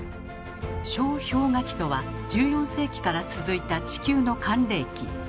小氷河期とは１４世紀から続いた地球の寒冷期。